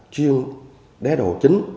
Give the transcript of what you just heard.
chuyên đá độ chính